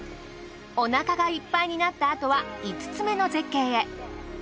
おなかがいっぱいになったあとは５つめの絶景へ。